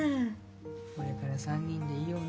これから３人でいようね。